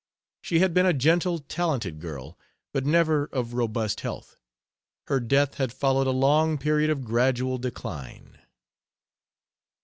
She had been a gentle talented girl, but never of robust health. Her death had followed a long period of gradual decline.